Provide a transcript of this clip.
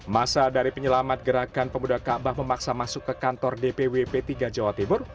masa dari penyelamat gerakan pemuda kaabah memaksa masuk ke kantor dpw p tiga jawa timur